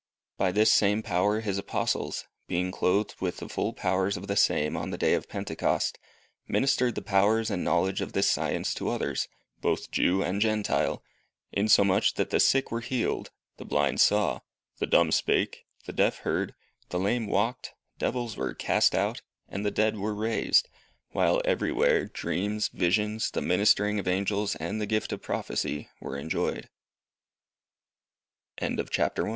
By this same power his Apostles, being clothed with the full powers of the same on the day of Pentecost, ministered the powers and knowledge of this science to others, both Jew and Gentile, insomuch that the sick were healed, the blind saw, the dumb spake, the deaf heard, the lame walked, devils were cast out, and the dead were raised, while everywhere, dreams, visions, the ministering of angels, and the gift of prophecy were enjoyed. CHAPTER II. DECLIN